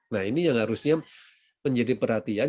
nah ini yang harusnya menjadi perhatian